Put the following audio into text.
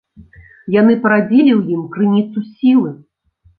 Яны парадзілі ў ім крыніцу сілы.